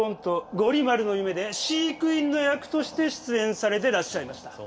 「ゴリ丸の夢」で飼育員の役として出演されてらっしゃいました。